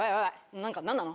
何か何なの？